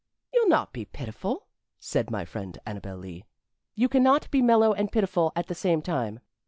"You'll not be pitiful," said my friend Annabel Lee. "You can not be mellow and pitiful at the same time.